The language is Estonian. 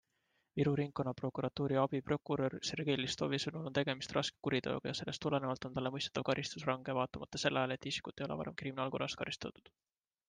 Viru Ringkonnaprokuratuuri abiprokurör Sergei Listovi sõnul on tegemist raske kuriteoga ja sellest tulenevalt on talle mõistetav karistus range, vaatamata sellele, et isikut ei ole varem kriminaalkorras karistatud.